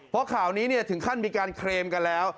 เพราะข่าวนี้ถึงขั้นมีการเคลมกันแล้ว